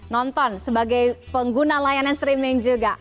nonton sebagai pengguna layanan streaming juga